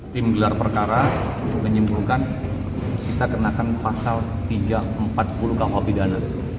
tim gelar perkara menyimpulkan kita kenakan pasal tiga ratus empat puluh kuh pidana